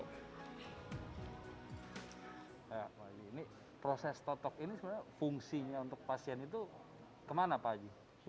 proses totok ini sebenarnya fungsinya untuk pasien itu kemana pak haji